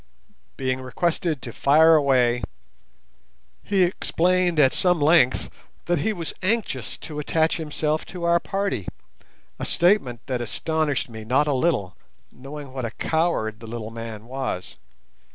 Being requested to "fire away", he explained at some length that he was anxious to attach himself to our party—a statement that astonished me not a little, knowing what a coward the little man was.